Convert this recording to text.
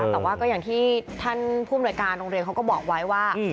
แต่ว่าก็อย่างที่ท่านผู้อำนวยการโรงเรียนเขาก็บอกไว้ว่า